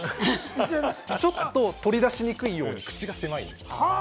ちょっと取り出しにくいように口が狭いんです。